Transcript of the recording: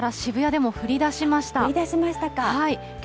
先ほどから渋谷でも降りだしました。